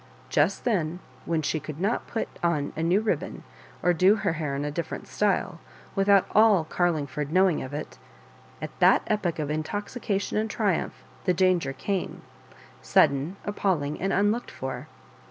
Just then, when she could not put on a new ribbon, or do her hair in a different style, without all Carling ford knowing of it — at that epoch of intoxication and triumph the danger came, sudden, appalling, and unlocked for.